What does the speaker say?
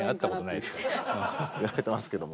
言われてますけども。